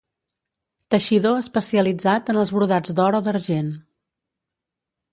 Teixidor especialitzat en els brodats d'or o d'argent.